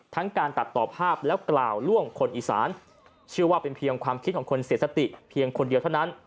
การตัดต่อภาพแล้วกล่าวล่วงคนอีสานเชื่อว่าเป็นเพียงความคิดของคนเสียสติเพียงคนเดียวเท่านั้น